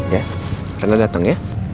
ya reina dateng ya